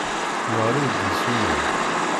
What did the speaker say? Neɣli deg yisunan.